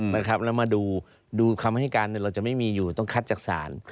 แล้วมาดูคำให้การเราจะไม่มีอยู่ต้องคัดจากศาล